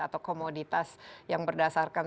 atau komoditas yang berdasarkan